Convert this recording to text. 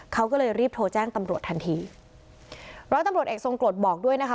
เขาก็เลยรีบโทรแจ้งตำรวจทันทีร้อยตำรวจเอกทรงกรดบอกด้วยนะคะ